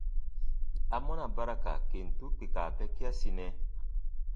Amɔna ba ra ka kentu kpika bɛkiasinɛ?